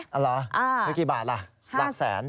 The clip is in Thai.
เอาเหรอซื้อกี่บาทล่ะหลักแสน